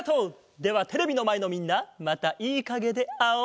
ではテレビのまえのみんなまたいいかげであおう！